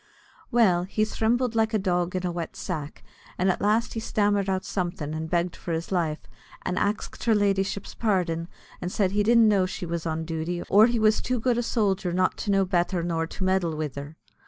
Well, he thrimbled like a dog in a wet sack, and at last he stammered out somethin', and begged for his life, and ax'd her ladyship's pardin, and said he didn't know she was on duty, or he was too good a sojer not to know betther nor to meddle wid her.